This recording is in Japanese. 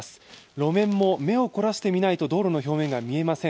路面も目を凝らして見ないと道路の表面が見えません。